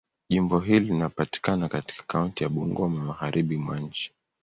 Jimbo hili linapatikana katika kaunti ya Bungoma, Magharibi mwa nchi.